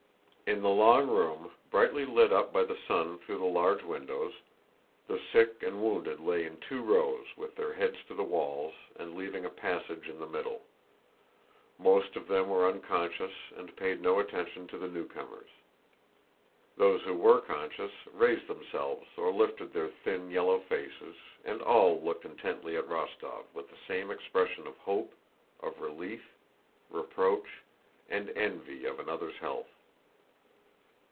In the long room, brightly lit up by the sun through the large windows, the sick and wounded lay in two rows with their heads to the walls, and leaving a passage in the middle. Most of them were unconscious and paid no attention to the newcomers. Those who were conscious raised themselves or lifted their thin yellow faces, and all looked intently at Rostóv with the same expression of hope, of relief, reproach, and envy of another's health.